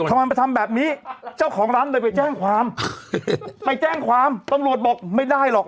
ทำไมไปทำแบบนี้เจ้าของร้านเลยไปแจ้งความไปแจ้งความตำรวจบอกไม่ได้หรอก